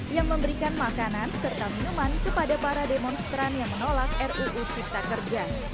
yang memberikan makanan serta minuman kepada para demonstran yang menolak ruu cipta kerja